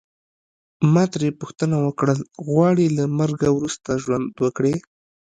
ما ترې پوښتنه وکړل غواړې له مرګه وروسته ژوند وکړې.